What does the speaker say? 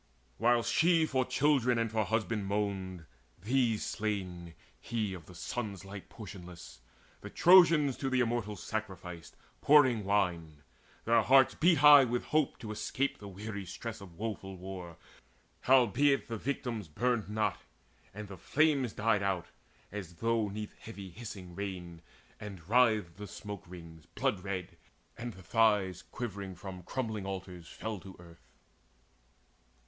While she for children and for husband moaned These slain, he of the sun's light portionless The Trojans to the Immortals sacrificed, Pouring the wine. Their hearts beat high with hope To escape the weary stress of woeful war. Howbeit the victims burned not, and the flames Died out, as though 'neath heavy hissing rain; And writhed the smoke wreaths blood red, and the thighs Quivering from crumbling altars fell to earth.